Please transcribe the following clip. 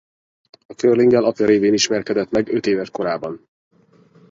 A curlinggel apja révén ismerkedett meg ötéves korában.